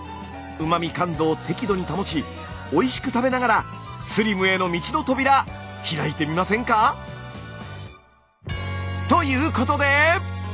うま味感度を適度に保ちおいしく食べながらスリムへの道の扉ひらいてみませんか？ということで！